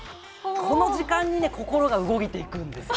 この時間に心が動いていくんですよ。